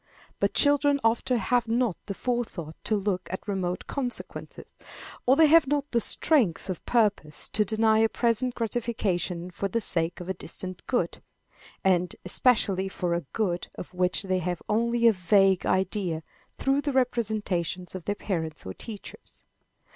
But children often have not the forethought to look at remote consequences, or they have not the strength of purpose to deny a present gratification for the sake of a distant good, and especially for a good of which they have only a vague idea through the representations of their parents or teachers.